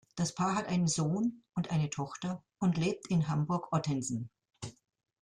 Das Paar hat einen Sohn und eine Tochter und lebt in Hamburg-Ottensen.